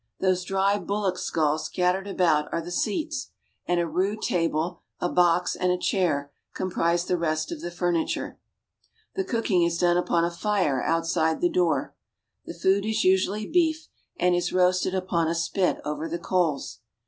Those dry bullock skulls scattered about are the seats, and a rude table, a box, and a chair comprise the rest of the furniture The cooking is done upon a fire outside the door. The food is usually beef, and it is roasted upon a spit over the coals.